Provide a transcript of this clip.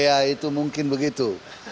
iya itu mungkin begitu